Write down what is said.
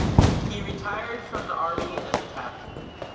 He retired from the army as a Captain.